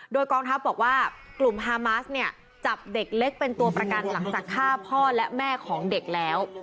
โดยกองทัพบอกว่ากลุ่มฮามาสเนี่ยจับเด็กเล็กเป็นตัวประกันหลังจากฆ่าพ่อและแม่ของเด็กแล้ว